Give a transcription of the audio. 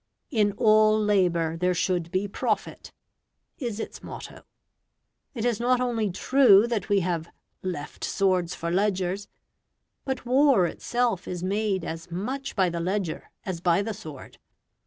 In all labour there should be profit, is its motto. It is not only true that we have "left swords for ledgers," but war itself is made as much by the ledger as by the sword.